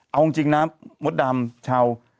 เอาจริงนะมดดำชาว